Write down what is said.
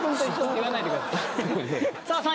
言わないでください。